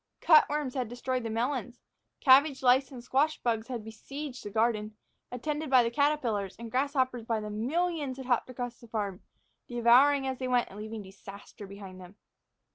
Cutworms had destroyed the melons; cabbage lice and squash bugs had besieged the garden, attended by caterpillars; and grasshoppers by the millions had hopped across the farm, devouring as they went and leaving disaster behind them.